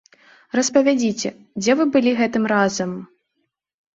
Распавядзіце, дзе вы былі гэтым разам?